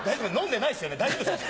大丈夫ですか？